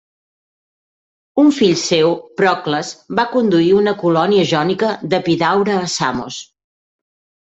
Un fill seu, Procles, va conduir una colònia jònica d'Epidaure a Samos.